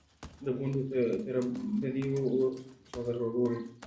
د ګوندي تربګنیو اور په غړغړو وي.